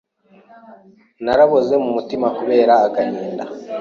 naraboze mu mutima kubera agahinda